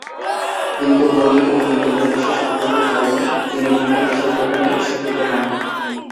কিন্তু গণিত ও বিজ্ঞানে বিশেষ আগ্রহের কারণে তিনি ভিন্ন পেশা গ্রহণে উৎসাহিত হন।